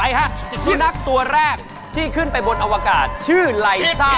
ฮะสุนัขตัวแรกที่ขึ้นไปบนอวกาศชื่อไลซ่า